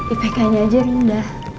ipk nya aja rindah